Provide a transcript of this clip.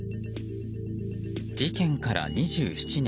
事件から２７年。